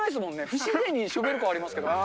不自然にショベルカーありますけど。